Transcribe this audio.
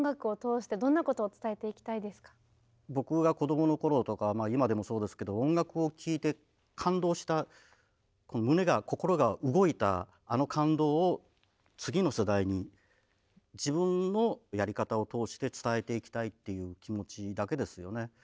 今後僕が子供の頃とか今でもそうですけど音楽を聴いて感動した胸が心が動いたあの感動を次の世代に自分のやり方を通して伝えていきたいっていう気持ちだけですよね。